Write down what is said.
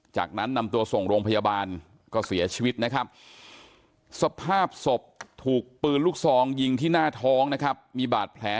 จากนั้นนำตัวส่งโรงพยาบาลก็เสียชีวิตนะครับ